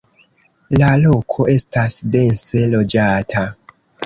La loko estas dense loĝata.